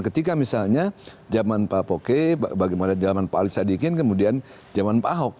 ketika misalnya zaman pak poke bagaimana zaman pak ali sadikin kemudian zaman pak ahok